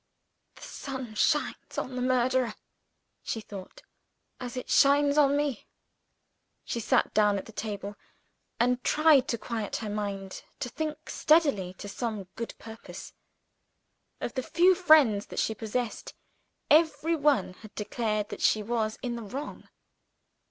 "The sun shines on the murderer," she thought, "as it shines on me." She sat down at the table, and tried to quiet her mind; to think steadily to some good purpose. Of the few friends that she possessed, every one had declared that she was in the wrong.